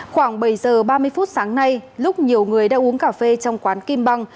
khoảng bảy giờ ba mươi phút sáng nay lúc nhiều người đã uống cà phê trong quán kim băng